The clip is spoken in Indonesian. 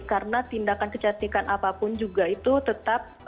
karena tindakan kecantikan apapun juga itu tetap